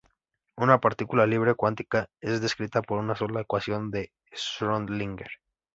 Una partícula libre cuántica es descrita por una sola ecuación de Schrödinger.